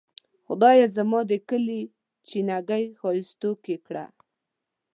خدایه زما د کلي چینه ګۍ ښائستوکې کړه.